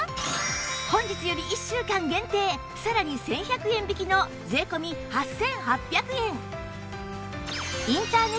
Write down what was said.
本日より１週間限定さらに１１００円引きの税込８８００円